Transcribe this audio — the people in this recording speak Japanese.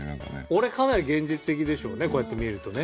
俺かなり現実的でしょうねこうやって見るとね。